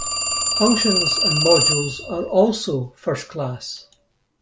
Functions and modules are also first-class.